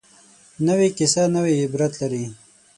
نوې کیسه نوې عبرت لري